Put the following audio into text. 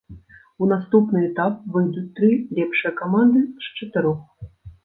У наступны этап выйдуць тры лепшыя каманды з чатырох.